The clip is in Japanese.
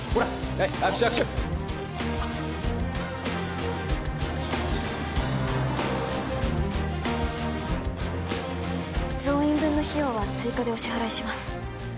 はい握手握手増員分の費用は追加でお支払いします